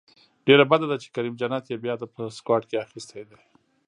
ډیره بده ده چې کریم جنت یې بیا په سکواډ کې اخیستی دی